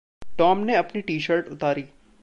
Tom ने अपनी T shirt उतारी।